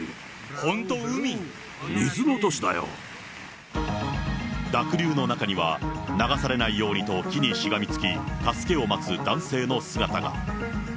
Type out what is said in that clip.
本当、濁流の中には、流されないようにと木にしがみつき、助けを待つ男性の姿が。